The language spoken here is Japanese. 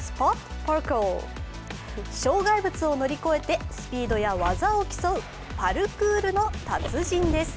障害物を乗り越えてスピードや技を競うパルクールの達人です。